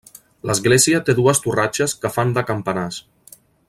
L'església té dues torratxes que fan de campanars.